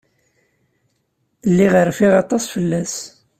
Lliɣ rfiɣ aṭas fell-as.